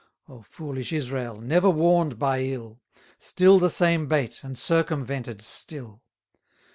O foolish Israel! never warn'd by ill! Still the same bait, and circumvented still!